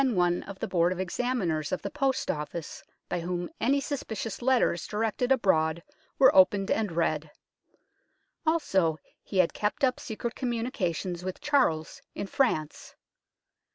206 UNKNOWN LONDON of Examiners of the Post Office, by whom any suspicious letters directed abroad were opened and read. Also, he had kept up secret com munications with Charles in France.